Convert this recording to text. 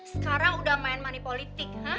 sekarang udah main mani politik hah